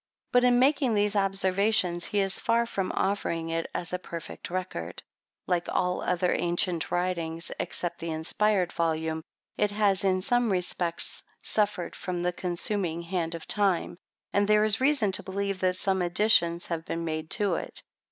But in making these observations, he is far from offering it as a perfect record. Like all other ancient writings, (except the inspired volume,) it has in some respects suffered from the consuming hand of time ; and there is reason to believe that some additions have been made to it.